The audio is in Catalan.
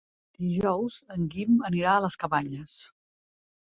Dijous en Guim anirà a les Cabanyes.